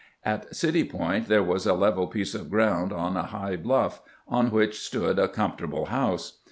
At City Point there was a level piece of ground on a high bluff, on which stood a com fortable house.